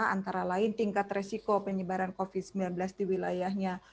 antara lain tingkat resiko penyebaran covid sembilan belas di wilayahnya